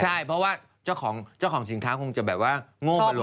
ใช่เพราะว่าเจ้าของสินค้าคงจะแบบว่าโง่ไปลง